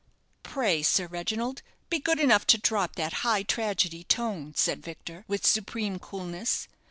"Pray, Sir Reginald, be good enough to drop that high tragedy tone," said Victor, with supreme coolness.